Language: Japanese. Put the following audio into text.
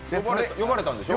呼ばれたんです。